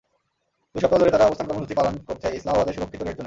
দুই সপ্তাহ ধরে তারা অবস্থান কর্মসূচি পালন করছে ইসলামাবাদের সুরক্ষিত রেড জোনে।